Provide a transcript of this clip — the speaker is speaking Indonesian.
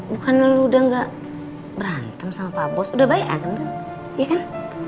bukan lo udah gak berantem sama pak bos udah baik aja kan iya kan